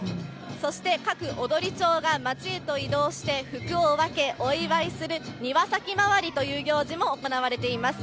そして、各踊町が街へと移動して福を分け、お祝いする、庭先周りという行事も行われています。